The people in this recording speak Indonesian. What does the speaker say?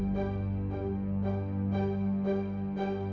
gak ada yang mau mencari